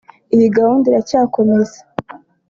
Iyi gahunda iracyakomeza